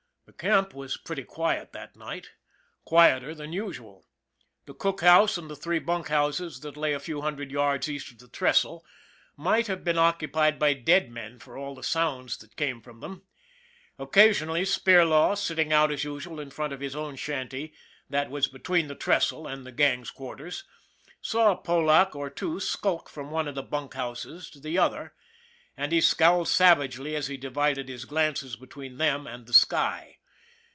The camp was pretty quiet that night quieter than usual. The cook house and the three bunk houses, that lay a few hundred yards east of the trestle, might have been occupied by dead men for all the sounds that came from them. Occasionally, Spirlaw, sitting out as usual in front of his own shanty, that was be tween the trestle and the gang's quarters, saw a Polack or two skulk from one of the bunk houses to the other and he scowled savagely as he divided his glances between them and the sky.